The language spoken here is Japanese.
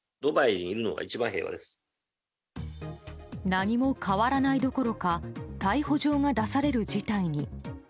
何も変わらないどころか逮捕状が出される事態に。